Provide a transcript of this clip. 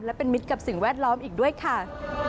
และเป็นมิตรกับสิ่งแวดล้อมอีกด้วยค่ะ